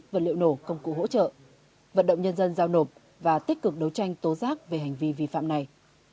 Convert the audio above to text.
vật liệu nổ công cụ hỗ trợ vận động nhân dân giao nộp và tích cực đấu tranh tố giác về hành vi vi phạm này